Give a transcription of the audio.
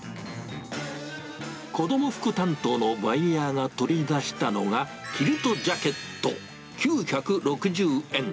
子ども服担当のバイヤーが取り出したのが、キルトジャケット９６０円。